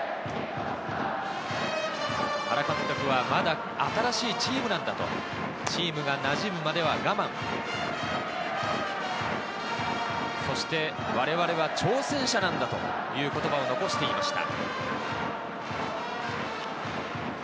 原監督はまだ新しいチームなんだと、チームがなじむまでは我慢、そして我々は挑戦者なんだという言葉を残していました。